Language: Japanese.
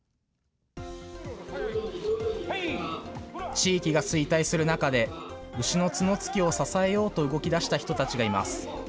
地域が衰退する中で、牛の角突きを支えようと動きだした人たちがいます。